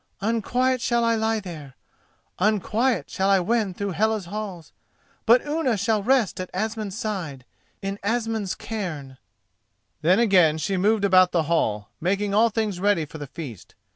Unquiet shall I lie there—unquiet shall I wend through Hela's halls; but Unna shall rest at Asmund's side—in Asmund's cairn!" Then again she moved about the hall, making all things ready for the feast.